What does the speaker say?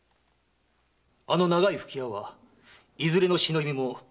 あの長い吹き矢はいずれの忍びも用いない物です。